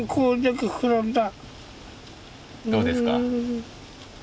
どうですか？